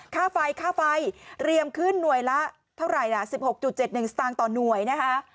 ค่าไฟค่าไฟเรียมขึ้นหน่วยละเท่าไหร่ล่ะ๑๖๗๑สตางค์ต่อหน่วยนะคะ